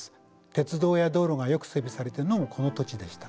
鉄道や道路がよく整備されているのもこの土地でした。